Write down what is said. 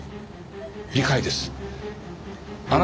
理解です。